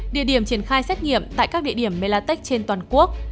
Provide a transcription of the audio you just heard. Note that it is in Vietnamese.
địa điểm triển khai xét nghiệm tại các địa điểm melatech trên toàn quốc